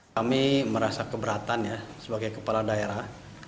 kami merasa keberatan ya sebagai kepala daerah